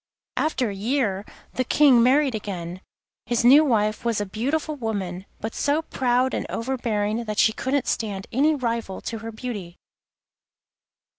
After a year the King married again. His new wife was a beautiful woman, but so proud and overbearing that she couldn't stand any rival to her beauty.